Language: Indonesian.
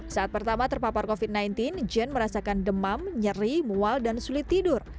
saat pertama terpapar covid sembilan belas jane merasakan demam nyeri mual dan sulit tidur